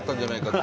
はい！